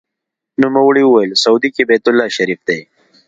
نوموړي وویل: سعودي کې بیت الله شریف دی.